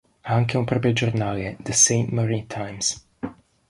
Ha anche un proprio giornale, The Saint Marie Times.